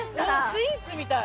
スイーツみたい。